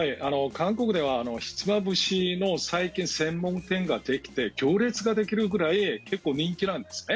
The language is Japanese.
韓国では最近ひつまぶしの専門店ができて行列ができるくらい結構、人気なんですね。